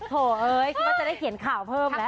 โถเอ้ยคิดว่าจะได้เขียนข่าวเพิ่มแล้ว